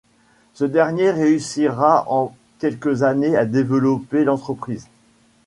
Ce dernier réussira en quelques années à développer l'entreprise.